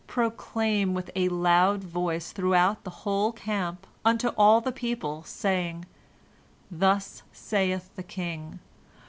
Proclaim with a loud voice throughout the whole camp, unto all the people, saying: 'Thus saith the king!